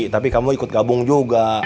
tapi kamu ikut gabung juga